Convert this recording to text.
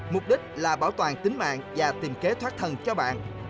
mục đích là bảo toàn tính mạng và tìm kế thoát thần cho bạn